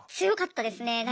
強かったですね。